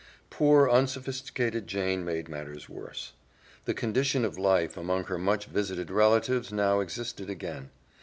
Poor, unsophisticated Jane made matters worse. The condition of life among her much visited relatives now existed again.